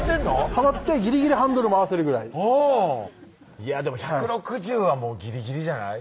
はまってギリギリハンドル回せるぐらいいやでも１６０はもうギリギリじゃない？